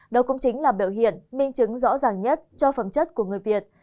đó cũng chính là biểu hiện minh chứng rõ ràng nhất cho phẩm chất của người việt